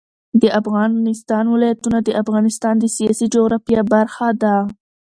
د افغانستان ولايتونه د افغانستان د سیاسي جغرافیه برخه ده.